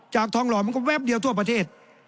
ทองหล่อมันก็แป๊บเดียวทั่วประเทศ